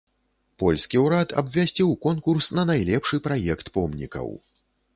Польскі ўрад абвясціў конкурс на найлепшы праект помнікаў.